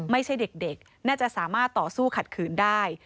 ไม่ใช่เด็กน่าจะสามารถต่อสู้ขัดขืนได้